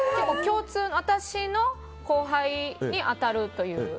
私の後輩に当たるという。